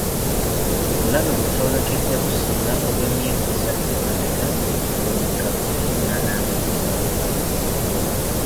Obulabe bwe twolekedde businga obwe emyezi esatu emabega ng'omuggalo tegunnalangirirwa.